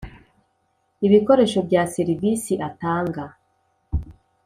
Ibikoresho bya serivisi atanga